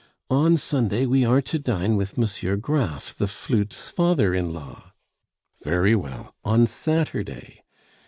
"On Sunday we are to dine with M. Graff, the flute's father in law." "Very well, on Saturday.